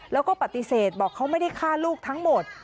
แล้วก็ปฏิเสธบอกเขาไม่ได้ฆ่าลูกทั้งหมด